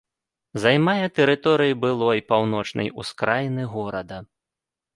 Займае тэрыторыю былой паўночнай ускраіны горада.